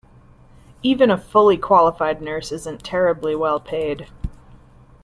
Even a fully qualified nurse isn’t terribly well paid.